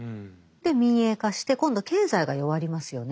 民営化して今度経済が弱りますよね。